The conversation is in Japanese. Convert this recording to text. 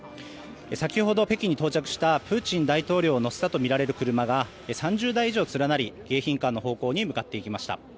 先ほど北京に到着したプーチン大統領を乗せたとみられる車が３０台以上連なり迎賓館の方向に向かっていきました。